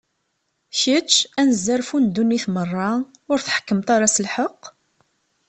Kečč, anezzarfu n ddunit meṛṛa, ur tḥekkmeḍ ara s lḥeqq?